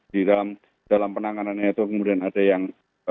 di dalam penanganannya itu kemudian ada yang